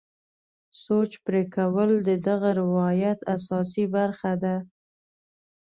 سوچ پرې کول د دغه روایت اساسي برخه ده.